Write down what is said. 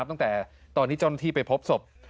ตั้งแต่ตอนที่เจ้าหน้าที่ไปพบศพ